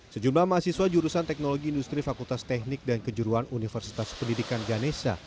sejumlah mahasiswa jurusan teknologi industri fakultas teknik dan kejuruan universitas pendidikan ganesha